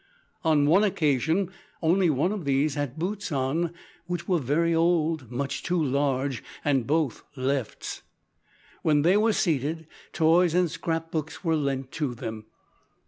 On one occasion, only one of these had boots on, which were very old, much too large, and both lefts. When they were seated, toys and scrap books were lent to them.